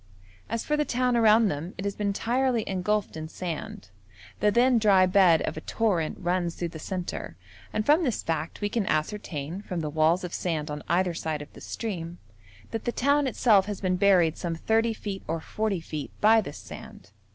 As for the town around them, it has been entirely engulfed in sand; the then dry bed of a torrent runs through the centre, and from this fact we can ascertain, from the walls of sand on either side of the stream, that the town itself has been buried some 30 feet or 40 feet by this sand.